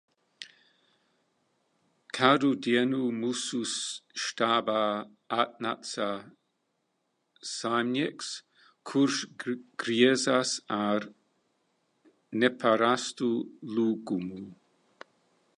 Kādu dienu mūsu štābā atnāca saimnieks, kurš griezās ar neparastu lūgumu.